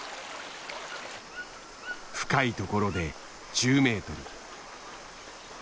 深い所で１０メートル。